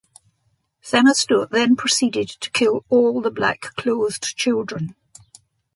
Themisto then proceeded to kill all the black-clothed children.